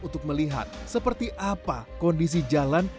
untuk melihat seperti apa kondisi jalan